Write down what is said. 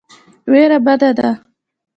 وېره بده ده.